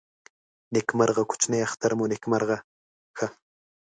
نیکمرغه کوچني اختر مو نیکمرغه ښه.